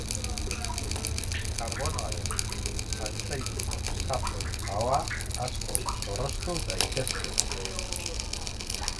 Karbonoaren altzairuzko xaflen ahoa asko zorroztu daitezke.